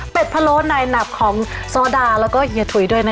เป็นพะโล้ในหนับของโซดาแล้วก็เฮียถุยด้วยนะคะ